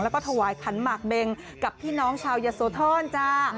แล้วก็ถวายขันหมากเบงกับพี่น้องชาวยะโสธรจ้า